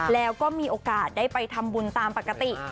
แล้วก็มีโอกาสได้ไปทำบุญตามปกติ